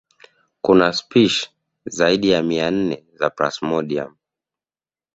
Kuna spishi zaidi ya mia nne za plasmodium